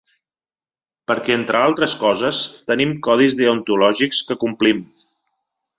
Perquè entre altres coses tenim codis deontològics que complim.